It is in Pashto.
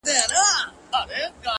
مه راته وايه چي د کار خبري ډي ښې دي!